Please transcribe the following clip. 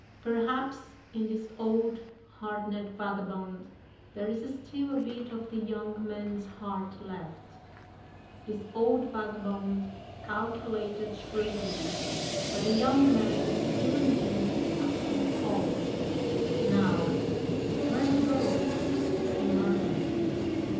"Perhaps in this old, hardened vagabond there is still a bit of the young man's heart left. This old vagabond calculated shrewdly, but the young man still in him upset all.... Now, where to go?" he murmured.